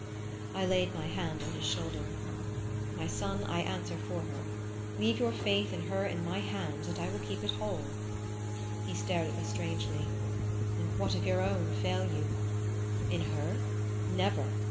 I laid my hand on his shoulder. "My son, I answer for her. Leave your faith in her in my hands and I will keep it whole." He stared at me strangely. "And what if your own fail you?" "In her? Never.